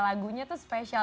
lagunya tuh special